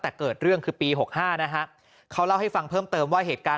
แต่เกิดเรื่องคือปี๖๕นะฮะเขาเล่าให้ฟังเพิ่มเติมว่าเหตุการณ์